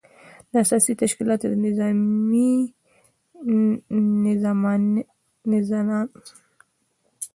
د اساسي تشکیلاتو د نظامنامې د حکم له مخې ټولنه وپېژندل شوه.